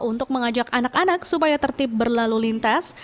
untuk mengajak anak anak supaya tertib berlalu lintas